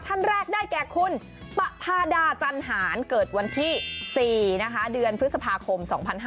ท่านแรกได้แก่คุณปะพาดาจันหารเกิดวันที่๔นะคะเดือนพฤษภาคม๒๕๕๙